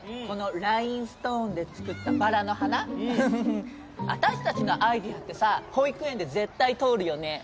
このラインストーンで作ったバラの花うん私たちのアイデアってさ保育園で絶対通るよね